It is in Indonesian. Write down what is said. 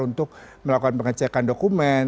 untuk melakukan pengecekan dokumen